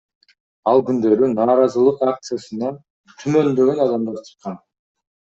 Ал күндөрү нааразылык акциясына түмөндөгөн адамдар чыккан.